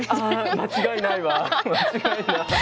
間違いない。